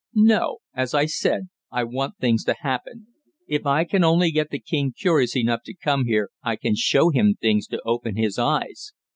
"No. As I said, I want things to happen. If I can only get the king curious enough to come here I can show him things to open his eyes.